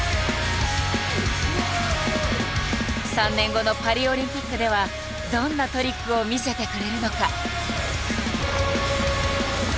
３年後のパリオリンピックではどんなトリックを見せてくれるのか。